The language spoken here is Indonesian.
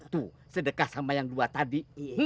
tuh sedekah sama yang dua tadi